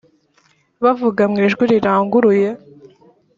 bavuga mu ijwi riranguruye